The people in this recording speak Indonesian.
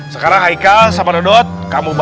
sekarang haikal sama dodot kamu bawa